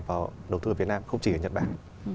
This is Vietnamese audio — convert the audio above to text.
vào đầu tư ở việt nam không chỉ ở nhật bản